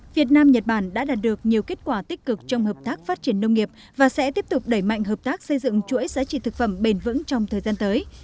việt nam nhật bản đã đạt được nhiều kết quả tích cực trong hợp tác phát triển nông nghiệp và sẽ tiếp tục đẩy mạnh hợp tác xây dựng chuỗi giá trị thực phẩm bền vững trong thời gian tới